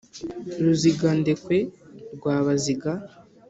ruzingandekwe rwa baziga,